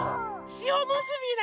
しおむすびね！